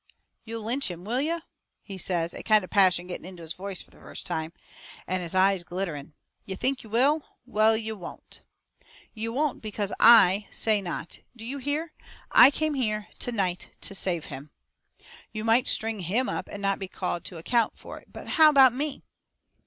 "You'll lynch him, will you?" he says, a kind of passion getting into his voice fur the first time, and his eyes glittering. "You think you will? Well, you WON'T! "You won't because I say NOT. Do you hear? I came here to night to save him. "You might string HIM up and not be called to account for it. But how about ME?"